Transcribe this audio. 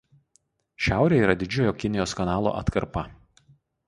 Šiaurėje yra Didžiojo Kinijos kanalo atkarpa.